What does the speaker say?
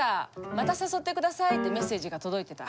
また誘ってください」ってメッセ―ジが届いてた。